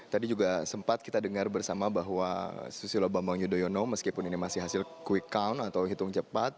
tadi juga sempat kita dengar bersama bahwa susilo bambang yudhoyono meskipun ini masih hasil quick count atau hitung cepat